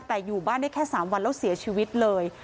แต่อยู่บ้านได้แค่๓วันแล้วเสียชีวิตเลย